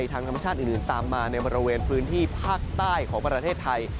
ทางธรรมชาติอื่นตามมาในบริเวณพื้นที่ภาคใต้ของประเทศไทย